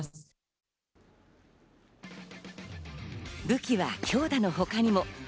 武器は強打の他にも。